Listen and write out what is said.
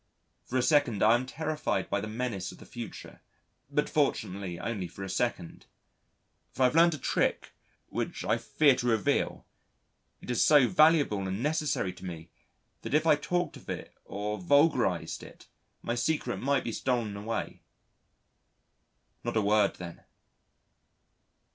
For a second I am terrified by the menace of the future, but fortunately only for a second. For I've learnt a trick which I fear to reveal; it is so valuable and necessary to me that if I talked of it or vulgarised it my secret might be stolen away. Not a word then!